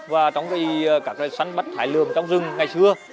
và trong các sản phẩm thải lườm trong rừng ngày xưa